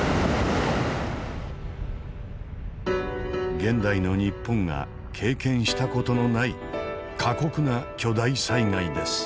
現代の日本が経験した事のない過酷な巨大災害です。